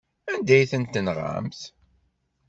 Anda ay tent-tenɣamt?